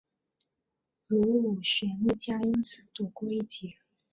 卢武铉一家因此躲过一劫。